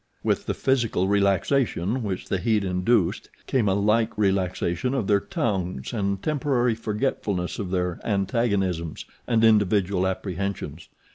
With the physical relaxation which the heat induced came a like relaxation of their tongues and temporary forgetfulness of their antagonisms and individual apprehensions.